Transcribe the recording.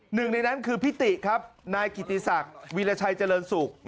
หนึ่งในนั้นคือพิติครับนายกิติศักดิ์วีรชัยเจริญสุข